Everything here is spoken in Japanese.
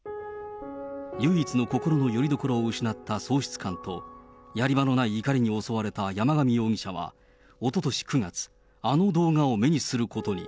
唯一の心のよりどころを失った喪失感と、やり場のない怒りに襲われた山上容疑者は、おととし９月、あの動画を目にすることに。